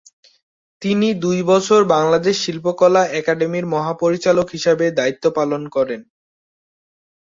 তিনি দুই বছর বাংলাদেশ শিল্পকলা একাডেমির মহাপরিচালক হিসেবে দায়িত্ব পালন করেন।